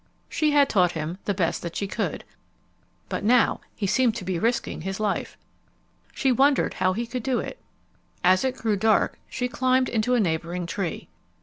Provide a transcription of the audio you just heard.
She had taught him the best that she could. But now he seemed to be risking his life. She wondered how he could do it. As it grew dark she climbed into a neighboring tree.